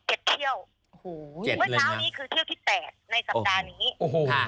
เจ็ดเที่ยวเมื่อเช้านี้คือ